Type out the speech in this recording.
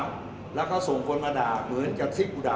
มันเป็นสิ่งที่เราไม่รู้สึกว่า